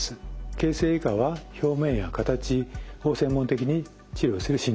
形成外科は表面や形を専門的に治療する診療科です。